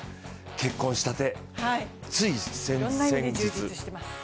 結婚したて、つい先月。